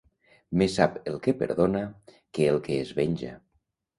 Més sap el que perdona que el que es venja.